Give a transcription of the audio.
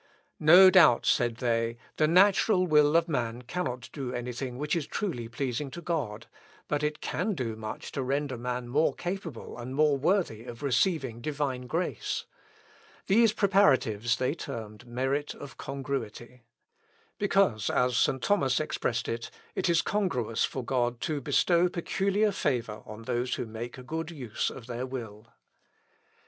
"No doubt," said they, "the natural will of man cannot do any thing which is truly pleasing to God; but it can do much to render man more capable and more worthy of receiving divine grace." These preparatives they termed merit of congruity; "because," as St. Thomas expressed it, "it is congruous for God to bestow peculiar favour on those who make a good use of their will."